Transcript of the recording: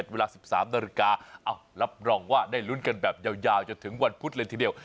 เวลา๑๓นาฬิการับรองว่าได้ลุ้นกันแบบยาวจนถึงวันพุธเลยทีเดียว